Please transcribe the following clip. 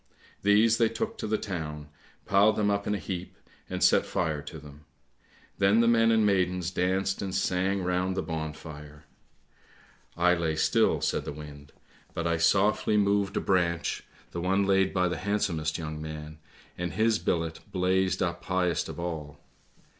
These they took to the town, piled them up in a heap, and set fire to them; then the men and maidens danced and sang round the bonfire. I lay still," said the wind, " but I softly moved a THE WIND'S TALE 177 branch, the one laid by the handsomest young man, and his billet blazed up highest of all.